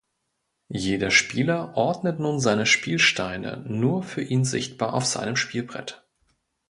Jeder Spieler ordnet nun seine Spielsteine nur für ihn sichtbar auf seinem Spielbrett.